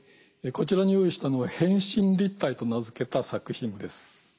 こちらに用意したのは「変身立体」と名付けた作品です。